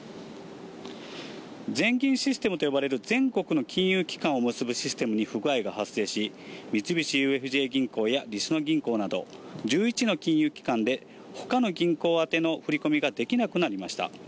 全銀システムと呼ばれる、全国の金融機関を結ぶシステムに不具合が発生し、三菱ＵＦＪ銀行やりそな銀行など、１１の金融機関でほかの銀行宛ての振り込みができなくなりました。